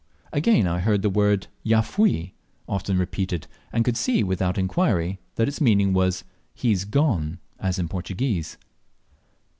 Again, I heard the word "jafui" often repeated, and could see, without inquiry, that its meaning was "he's gone," as in Portuguese.